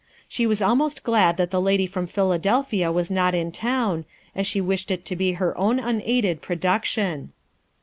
She was almost glad that the lady from Philadelphia was not in town, as she wished it to be her own unaided production.